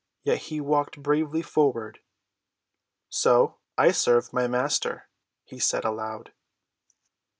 Yet he walked bravely forward. "So I serve my Master," he said aloud.